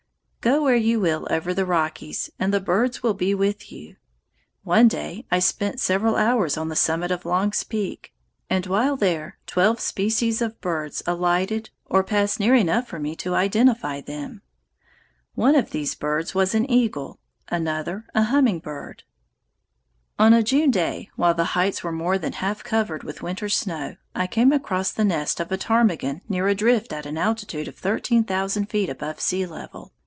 Go where you will over the Rockies and the birds will be with you. One day I spent several hours on the summit of Long's Peak, and while there twelve species of birds alighted or passed near enough for me to identify them. One of these birds was an eagle, another a hummingbird. [Illustration: PTARMIGAN] On a June day, while the heights were more than half covered with winter's snow, I came across the nest of a ptarmigan near a drift and at an altitude of thirteen thousand feet above sea level.